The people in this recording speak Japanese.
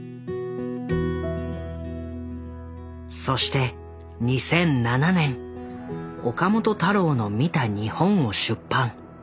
そして２００７年「岡本太郎の見た日本」を出版。